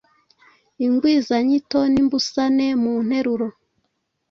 ingwizanyito n’ imbusane mu nteruro